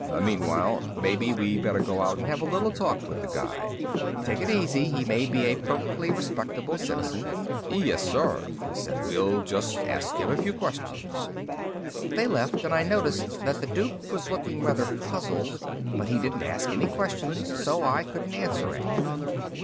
"Meanwhile, maybe we better go out and have a little talk with the guy." "Take it easy, he may be a perfectly respectable citizen." "Yes, sir," he said. "We'll just ask him a few questions." They left, and I noticed that the Duke was looking rather puzzled, but he didn't ask any questions, so I couldn't answer any.